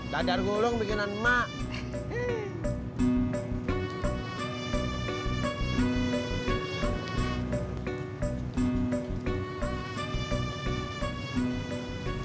dadar gulung bikinan emak